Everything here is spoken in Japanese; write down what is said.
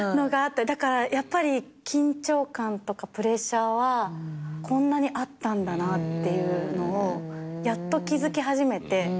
だからやっぱり緊張感とかプレッシャーはこんなにあったんだなっていうのをやっと気付き始めて。